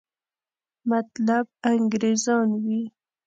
مطلب انګریزان وي.